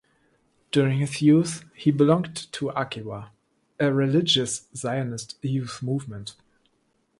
During his youth, he belonged to Akiva, a religious Zionist youth movement.